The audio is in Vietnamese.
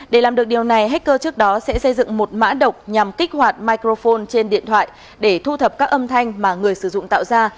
để làm được điều này hacker trước đó sẽ xây dựng một mã độc nhằm kích hoạt microphone trên điện thoại để thu thập các âm thanh mà người sử dụng tạo ra